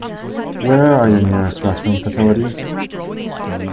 Where are your nearest restroom facilities?